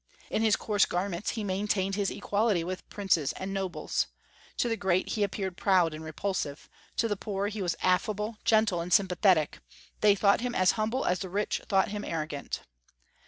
In his coarse garments he maintained his equality with princes and nobles. To the great he appeared proud and repulsive. To the poor he was affable, gentle, and sympathetic; they thought him as humble as the rich thought him arrogant.